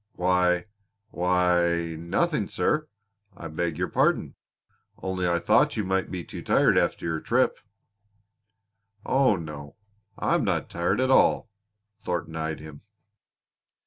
"Why why nothing, sir. I beg your pardon. Only I thought you might be too tired after your trip." "Oh, no. I am not tired at all." Thornton eyed him.